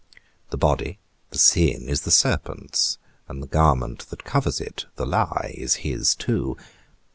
The body, the sin, is the serpent's; and the garment that covers it, the lie, is his too.